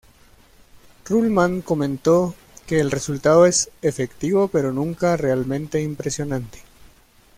Ruhlmann comentó que el resultado es "efectivo pero nunca realmente impresionante".